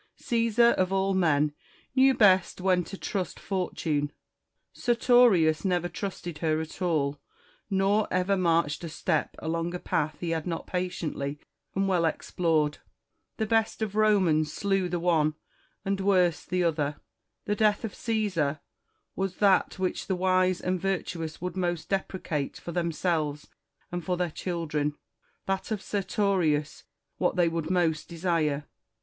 Caesar, of all men, knew best when to trust Fortune : Sertorius never trusted her at all, nor ever marched a step along a path he had not patiently and well explored. The best of Romans slew the one, the worst the other. The death of Caesar was that which the wise and virtuous would most deprecate for themselves and for their children ; that of Sertorious what they would most desire.